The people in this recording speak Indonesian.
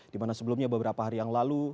di mana sebelumnya beberapa hari yang lalu